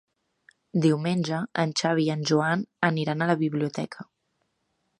Diumenge en Xavi i en Joan aniran a la biblioteca.